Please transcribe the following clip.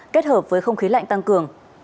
kết hợp với không khí lạnh tăng cường